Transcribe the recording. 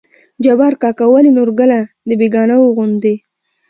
جبار کاکا: ولې نورګله د بيګانه وو غوندې